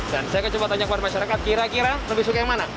dan saya akan coba tanya kepada masyarakat kira kira lebih suka yang mana